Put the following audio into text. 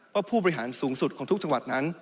ผู้บริหารสูงสุดของทุกจังหวัดนั้น